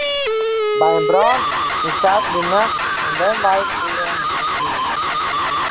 By in brân is saterdeitenacht in wenwein ferlern gien.